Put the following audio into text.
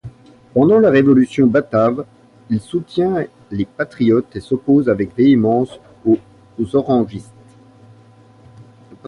Pendant la Révolution batave, il soutient les Patriotes et s'oppose avec véhémence aux Orangistes.